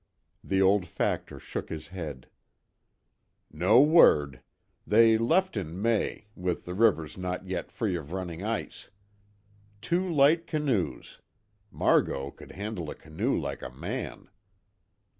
The old factor shook his head: "No word. They left in May with the rivers not yet free of running ice. Two light canoes. Margot could handle a canoe like a man."